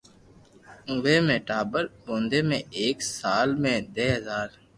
اووي ۾ ٽاٻر ٻودي ۾ ايڪ سال ۾ دھي ھزار